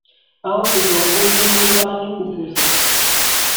aho kugira ngo njye muri banki kuguza